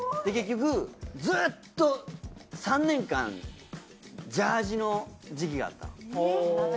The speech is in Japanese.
結局ずっと３年間ジャージの時期があったの。